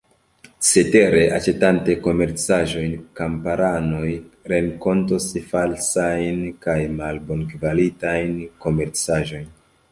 Cetere, aĉetante komercaĵojn, kamparanoj renkontos falsajn kaj malbonkvalitajn komercaĵojn.